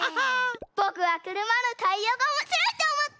ぼくはくるまのタイヤがおもしろいとおもった！